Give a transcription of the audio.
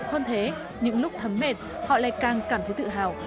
hơn thế những lúc thấm mệt họ lại càng cảm thấy tự hào